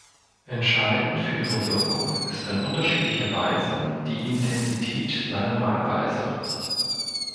Entscheidend für ihre Wirkung ist in unterschiedlicher Weise die Intensität seiner Malweise.